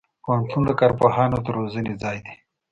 پوهنتون د کارپوهانو د روزنې ځای دی.